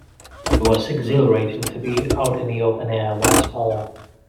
It was exhilarating to be out in the open air once more.